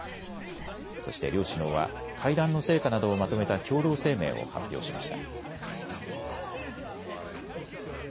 そして両首脳は会談の成果などをまとめた共同声明を発表しました。